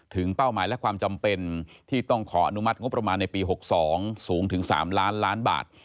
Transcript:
เป้าหมายและความจำเป็นที่ต้องขออนุมัติงบประมาณในปี๖๒สูงถึง๓ล้านล้านบาท